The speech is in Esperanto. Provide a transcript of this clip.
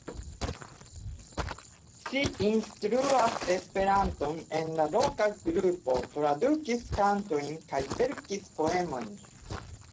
Ŝi instruas Esperanton en la loka grupo, tradukis kantojn kaj verkis poemojn.